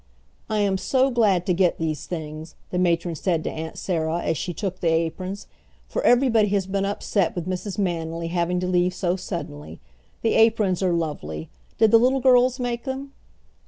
"I am so glad to get these things," the matron said to Aunt Sarah, as she took the aprons, "for everybody has been upset with Mrs. Manily having to leave so suddenly. The aprons are lovely. Did the little girls make them?"